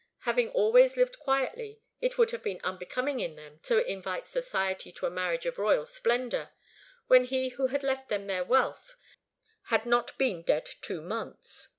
Having always lived quietly, it would have been unbecoming in them to invite society to a marriage of royal splendour, when he who had left them their wealth had not been dead two months.